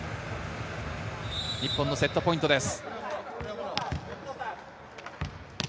日本のセットポイントです。